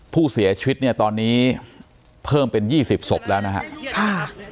ผู้เสียชีวิตตอนนี้เพิ่มเป็น๒๐ศพแล้วนะฮะ